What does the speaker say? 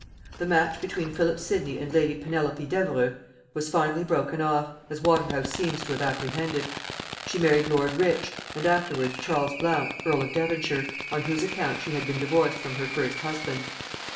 The match between Philip Sidney and lady Penelope Devereux was finally broken off, as Waterhouse seems to have apprehended. She married lord Rich, and afterwards Charles Blount earl of Devonshire, on whose account she had been divorced from her first husband.